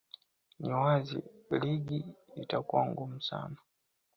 ni wazi ligi itakuwa ngumu sana